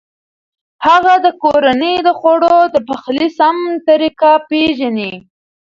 هغه د کورنۍ د خوړو د پخلي سمه طریقه پېژني.